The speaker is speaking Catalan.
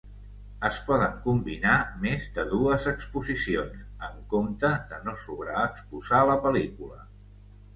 Es poden combinar més de dues exposicions, amb compte de no sobreexposar la pel·lícula.